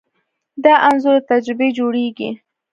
دا انځور له تجربې جوړېږي.